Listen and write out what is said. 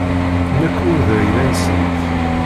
Nekk ur d ayla-nsent.